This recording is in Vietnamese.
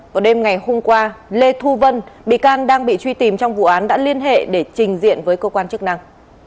vào đêm ngày hôm qua lê thu vân bị can đang bị truy tìm trong vụ án đã liên hệ để trình diện với cơ quan chức năng